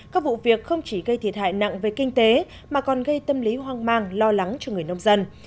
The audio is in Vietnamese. các vụ việc không chỉ gây thiệt hại nặng về kinh tế mà còn gây tâm lý hoang mang lo lắng cho người nông dân